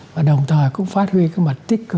và đồng thời cũng phát huy cái mặt tích cực